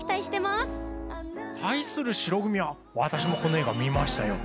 対する白組は私もこの映画見ましたよ。